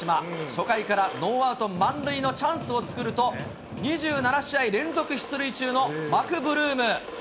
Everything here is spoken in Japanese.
初回からノーアウト満塁のチャンスを作ると、２７試合連続出塁中のマクブルーム。